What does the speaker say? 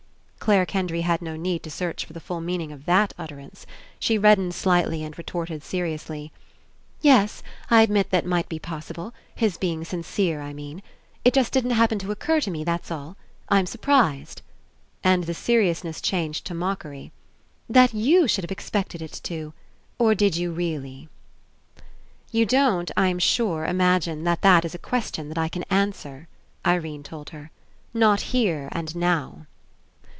Clare Kendry had no need to search for the full meaning of that utterance. She red dened slightly and retorted seriously: "Yes, I admit that might be possible — his being sincere, I mean. It just didn't happen to occur to me, that's all. I'm surprised," and the seriousness changed to mockery, "that you should have ex pected it to. Or did you really?" "You don't, I'm sure, imagine that that Is a question that I can answer," Irene told her. "Not here and now."